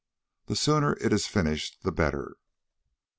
The sooner it is finished the better."